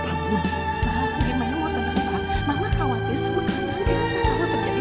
mama gimana mau tenang mama khawatir sama kandang dia